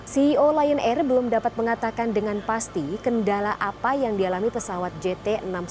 ceo lion air belum dapat mengatakan dengan pasti kendala apa yang dialami pesawat jt enam ratus sepuluh